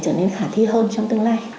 trở nên khả thi hơn trong tương lai